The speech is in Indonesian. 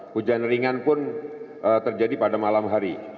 hujan ringan pun terjadi pada malam hari